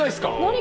何？